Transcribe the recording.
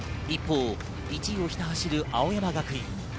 一方、１位をひた走る青山学院。